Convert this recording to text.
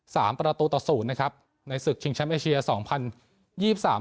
ประตูต่อศูนย์นะครับในศึกชิงแชมป์เอเชียสองพันยี่สิบสาม